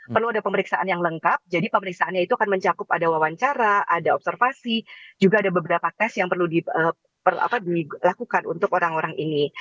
perlu ada pemeriksaan yang lengkap jadi pemeriksaannya itu akan mencakup ada wawancara ada observasi juga ada beberapa tes yang perlu dilakukan untuk orang orang ini